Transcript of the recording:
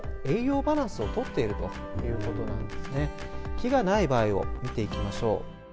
木がない場合を見ていきましょう。